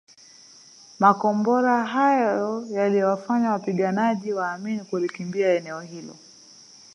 Makombora hayo yaliwafanya wapiganaji wa Amin kulikimbia eneo hilo